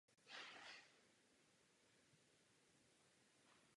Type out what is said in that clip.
Kromě zemědělství se zde rozvinul i průmysl.